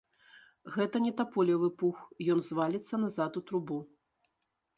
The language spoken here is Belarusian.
Гэта не таполевы пух, ён зваліцца назад у трубу.